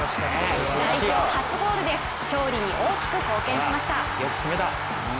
代表初ゴールで勝利に大きく貢献しました。